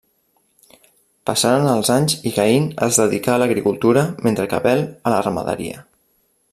Passaren els anys i Caín es dedicà a l'agricultura mentre que Abel, a la ramaderia.